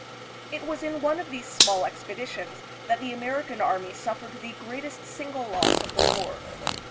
It was in one of these small expeditions that the Ameri can army suffered the greatest single loss of the war.